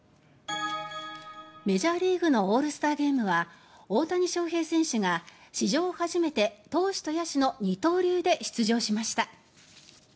メジャーリーグのオールスターゲームは大谷翔平選手が史上初めて投手と野手の二刀流で出場しました。